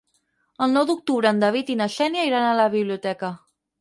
El nou d'octubre en David i na Xènia iran a la biblioteca.